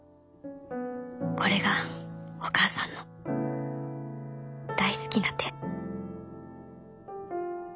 これがお母さんの大好きな手